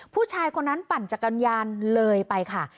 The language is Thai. ผู้ชายคนนั้นปั่นจักรยานเลยไปค่ะ